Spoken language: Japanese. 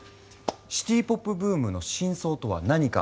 シティ・ポップブームの真相とは何か。